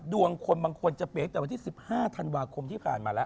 ดวงคนบางคนจะเปียกแต่วันที่๑๕ธันวาคมที่ผ่านมาแล้ว